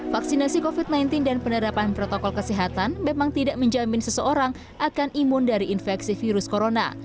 vaksinasi covid sembilan belas dan penerapan protokol kesehatan memang tidak menjamin seseorang akan imun dari infeksi virus corona